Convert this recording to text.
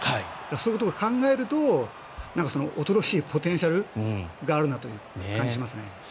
そういうことを考えると恐ろしいポテンシャルがあるなとそういう感じがしますね。